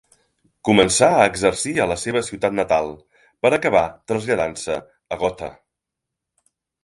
Començà a exercir a la seva ciutat natal, per acabar traslladant-se a Gotha.